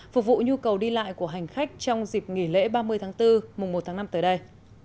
phục vụ nhu cầu đi lại của hành khách trong dịp nghỉ lễ ba mươi tháng bốn mùa một tháng năm tới đây